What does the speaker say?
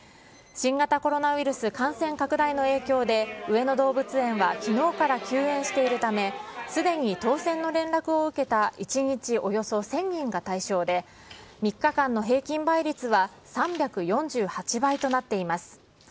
新型コロナウイルス感染拡大の影響で、上野動物園はきのうから休園しているため、すでに当せんの連絡を受けた１日およそ１０００人が対象で、３日間の平均倍率は３４８倍となっています。